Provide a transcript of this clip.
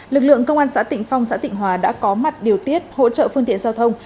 lực lượng công an xã tịnh phong xã tịnh hòa đã có mặt điều tiết hỗ trợ phương tiện giao thông